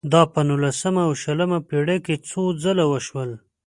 دا په نولسمه او شلمه پېړۍ کې څو ځله وشول.